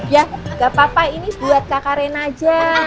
ya enggak apa apa ini buat kakak reyna aja